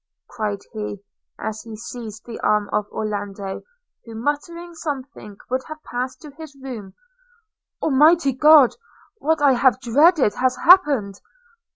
cried he, as he seized the arm of Orlando, who, muttering something, would have passed to his room – 'Almighty God! what I have dreaded has happened.'